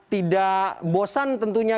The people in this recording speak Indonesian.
tidak bosan tentunya